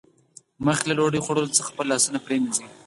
مخکې له ډوډۍ خوړلو څخه خپل لاسونه پرېمینځئ